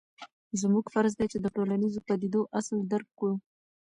زموږ فرض دی چې د ټولنیزو پدیدو اصل درک کړو.